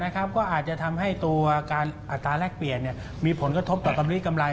ก็อาจจะทำให้ตัวอัตราแรกเปลี่ยนมีผลกระทบต่อตำลีกำไร